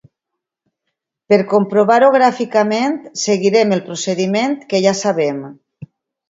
Per comprovar-ho gràficament seguirem el procediment que ja sabem.